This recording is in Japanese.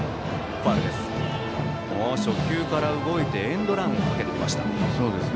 初球から動いてエンドランをかけてきました。